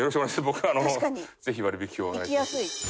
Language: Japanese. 僕あのぜひ割引をお願いします。